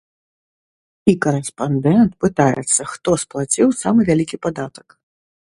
І карэспандэнт пытаецца, хто сплаціў самы вялікі падатак.